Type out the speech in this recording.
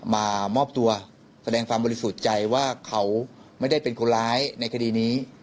มามอบตัวแสดงความบริสุทธิ์ใจว่าเขาไม่ได้เป็นคนร้ายในคดีนี้